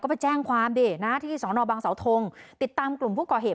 ไปแจ้งความดินะที่สอนอบังเสาทงติดตามกลุ่มผู้ก่อเหตุ